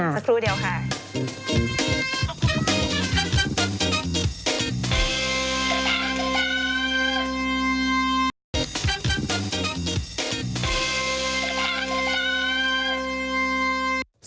สักครู่เดียวค่ะ